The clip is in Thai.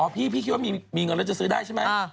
พี่คิดว่ามีเงินแล้วจะซื้อได้ใช่ไหม